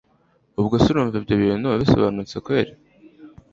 ubwo se urumva ibyo bintu bisobanutse kweli